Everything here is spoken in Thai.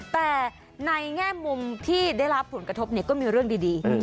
แต่ในแง่มุมที่ได้รับผลกระทบก็มีเรื่องดี